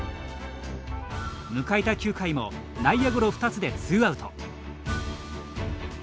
迎えた９回も内野ゴロ２つでツーアウト。